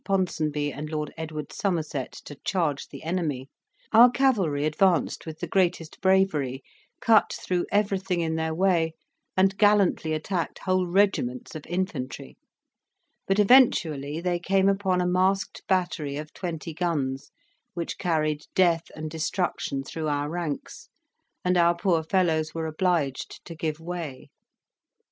Ponsonby and Lord Edward Somerset to charge the enemy, our cavalry advanced with the greatest bravery, cut through everything in their way, and gallantly attacked whole regiments of infantry; but eventually they came upon a masked battery of twenty guns, which carried death and destruction through our ranks, and our poor fellows were obliged to give way.